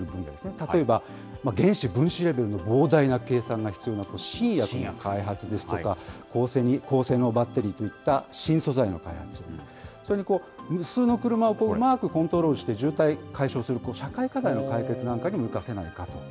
例えば原子、分子レベルの膨大な計算が必要な新薬の開発ですとか、高性能バッテリーといった新素材の開発、それに無数の車をうまくコントロールして渋滞解消する社会課題への解決なんかにも生かせないかと。